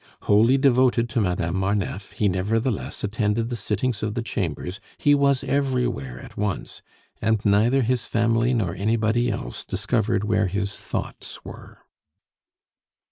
Wholly devoted to Madame Marneffe, he nevertheless attended the sittings of the Chambers; he was everywhere at once, and neither his family nor anybody else discovered where his thoughts were.